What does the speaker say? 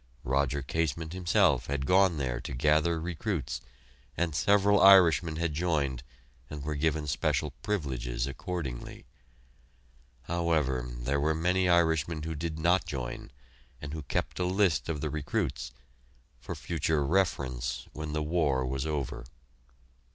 Roger Casement, himself, had gone there to gather recruits, and several Irishmen had joined and were given special privileges accordingly. However, there were many Irishmen who did not join, and who kept a list of the recruits for future reference, when the war was over!